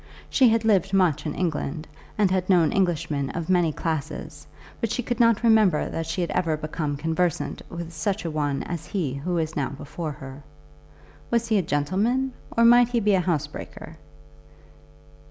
She had lived much in England, and had known Englishmen of many classes, but she could not remember that she had ever become conversant with such a one as he who was now before her. Was he a gentleman, or might he be a housebreaker?